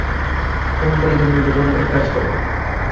নবীন পালিত বলিল, বরং এক কাজ করো।